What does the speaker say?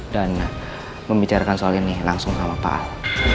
dan membicarakan soal ini langsung sama pak al